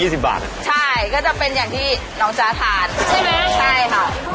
ใช่ไหมใช่ค่ะ